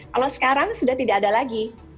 kalau sekarang sudah tidak ada lagi